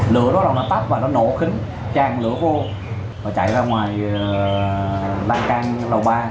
lửa đó là nó tắt và nó nổ khính tràn lửa vô và chạy ra ngoài lan can lầu ba